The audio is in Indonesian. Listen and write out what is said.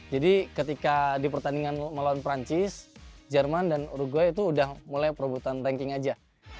jadi ketika di pertandingan melawan perancis jerman dan uruguay itu udah mulai perebutan ranking aja